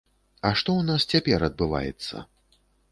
А што ў нас цяпер адбываецца?